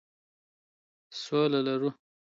سوله لرو.